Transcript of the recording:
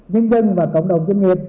nhân dân và cộng đồng doanh nghiệp